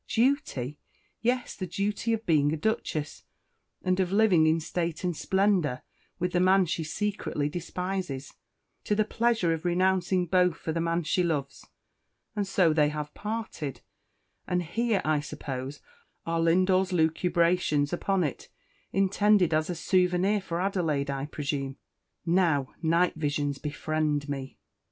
Duty! yes, the duty of being a Duchess, and of living in state and splendour with the man she secretly despises, to the pleasure of renouncing both for the man she loves; and so they have parted, and here, I suppose, are Lindore's lucubrations upon it, intended as a souvenir for Adelaide, I presume. Now, night visions befriend me!